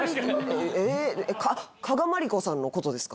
加賀まりこさんのことですか？